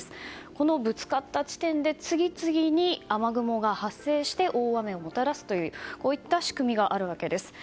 このぶつかった地点で次々に雨雲が発生して大雨をもたらすという仕組みがあるわけです。